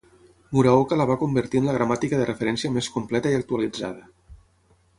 Muraoka la va convertir en la gramàtica de referència més completa i actualitzada.